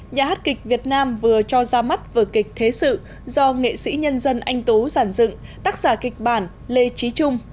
nhà hát kịch việt nam vừa cho ra mắt vở kịch thế sự do nghệ sĩ nhân dân anh tú giản dựng tác giả kịch bản lê trí trung